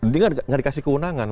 dia tidak dikasih keunangan